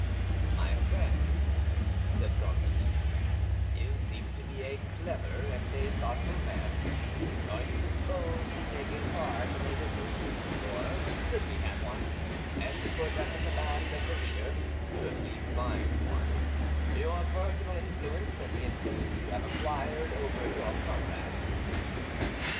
"My friend," said Gondy, "you seem to be a clever and a thoughtful man; are you disposed to take a part in a little civil war, should we have one, and put at the command of the leader, should we find one, your personal influence and the influence you have acquired over your comrades?"